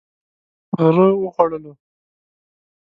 غره و خوړلو.